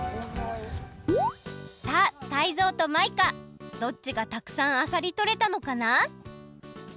さあタイゾウとマイカどっちがたくさんあさりとれたのかな？